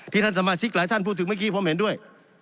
ท่านสมาชิกหลายท่านพูดถึงเมื่อกี้ผมเห็นด้วย